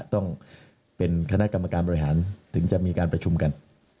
ต้องเป็นคณะกรรมการบริหารถึงจะมีการประชุมกัน